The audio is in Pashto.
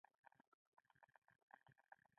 بیا له پاتې شوو پوځیانو نه تېر شوو، چې هملته ولاړ ول.